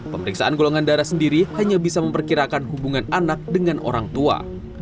pemeriksaan golongan darah sendiri hanya bisa memperkirakan hubungan anak dengan orang tua